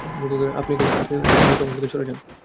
আপনি দ্রুত ওখান থেকে সরে যান!